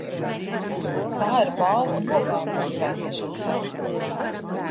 Tā ir balvu un nopelnu uzskaitīšana taču.